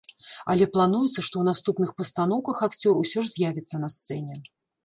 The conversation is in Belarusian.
Але плануецца, што ў наступных пастаноўках акцёр усё ж з'явіцца на сцэне.